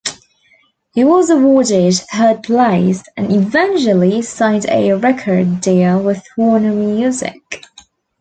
He was awarded third place, and eventually signed a record deal with Warner Music.